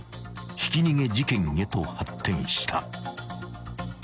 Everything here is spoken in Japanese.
［ひき逃げ事件へと発展した］